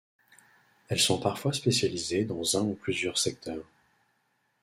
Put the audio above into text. Elles sont parfois spécialisées dans un ou plusieurs secteurs.